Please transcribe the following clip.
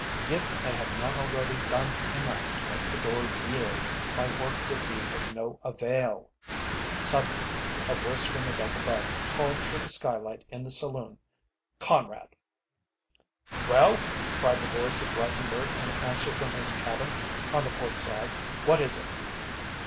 If I had not already done enough to make the door yield, my work would be of no avail. Suddenly a voice from the deck above called through the skylight in the saloon, "Conrad." "Well?" cried the voice of Reiffenburg in answer from his cabin on the port side; "what is it?"